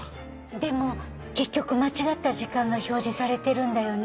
でも結局間違った時間が表示されてるんだよね？